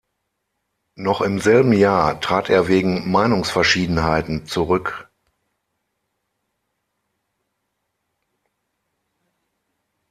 Noch im selben Jahr trat er wegen Meinungsverschiedenheiten zurück.